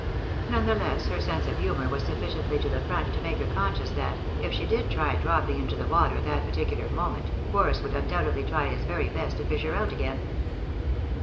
None the less her sense of humour was sufficiently to the front to make her conscious that, if she did try dropping into the water at that particular moment, Boris would undoubtedly try his very best to fish her out again.